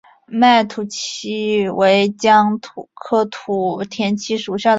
土田七为姜科土田七属下的一个种。